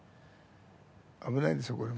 危ないですよこれも。